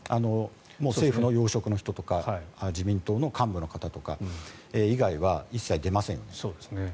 政府の要職の人とか自民党の幹部の方とか以外は一切出ません。